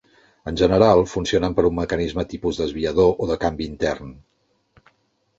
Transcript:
En general, funcionen per un mecanisme tipus desviador o de canvi intern.